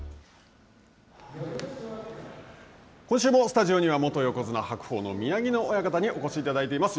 今週もスタジオには元横綱・白鵬の宮城野親方にお越しいただいています。